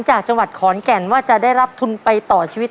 จากจังหวัดขอนแก่นว่าจะได้รับทุนไปต่อชีวิต